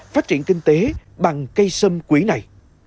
phát triển kinh tế bằng cây sâm quý này